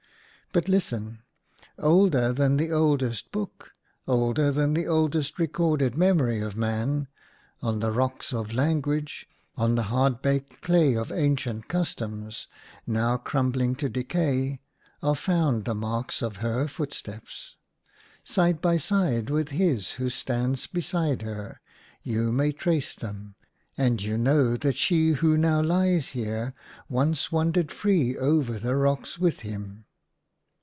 But listen ! Older than the oldest book, older than the oldest recorded memory of man, on the Rocks of Language, on the hard baked clay of Ancient Customs, now crumbling to decay, are found the marks of her footsteps ! Side by side with his who stands beside her you may trace them ; and you know that she who now lies there once wandered free over the rocks with him."